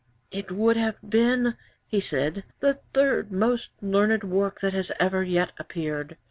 '"It would have been," he said, "the third most learned work that has ever yet appeared.